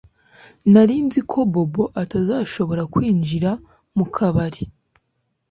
Nari nzi ko Bobo atazashobora kwinjira mukabari